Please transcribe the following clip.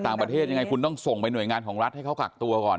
ยังไงคุณต้องส่งไปหน่วยงานของรัฐให้เขากักตัวก่อน